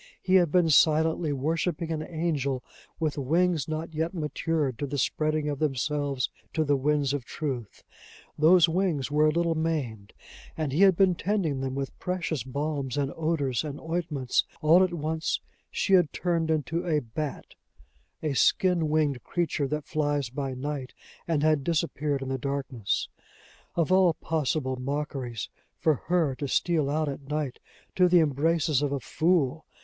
He had been silently worshiping an angel with wings not yet matured to the spreading of themselves to the winds of truth; those wings were a little maimed, and he had been tending them with precious balms, and odors, and ointments: all at once she had turned into a bat, a skin winged creature that flies by night, and had disappeared in the darkness! Of all possible mockeries, for her to steal out at night to the embraces of a fool!